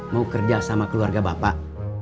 mau kerja sama keluarga bapak